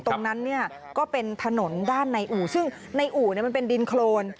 ตรงนั้นเนี่ยก็เป็นถนนด้านในอู่ซึ่งในอู่มันเป็นดินโครน